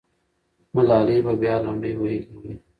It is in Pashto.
ملالۍ به بیا لنډۍ ویلي وي.